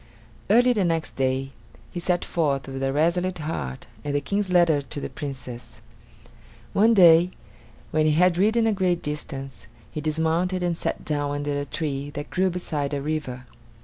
Early the next day he set forth, with a resolute heart and the King's letter to the Princess. One day when he had ridden a great distance, he dismounted and sat down under a tree that grew beside a river.